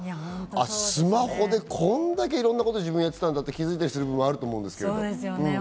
スマホでこんだけいろんなことを自分がやってたんだって気づいたりすることがあると思う。